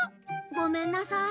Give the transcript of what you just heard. ごめんなさい。